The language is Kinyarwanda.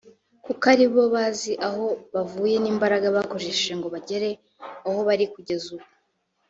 kuko aribo bazi aho bavuye n’imbaraga bakoresheje ngo bagere aho bari kugeza ubu